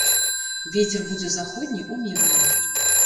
Вецер будзе заходні, умераны.